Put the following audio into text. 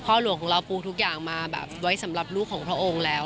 หลวงของเราปูทุกอย่างมาแบบไว้สำหรับลูกของพระองค์แล้ว